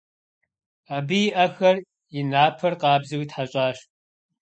Абы и ӏэхэр, и напэр къабзэу итхьэщӏащ.